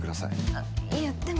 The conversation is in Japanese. あっいやでも。